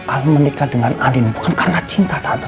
al menikah dengan andin bukan karena cinta tante